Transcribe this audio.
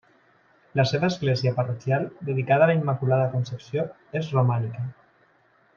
La seva església parroquial, dedicada a la Immaculada Concepció, és romànica.